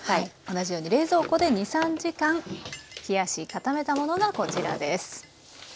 同じように冷蔵庫で２３時間冷やし固めたものがこちらです。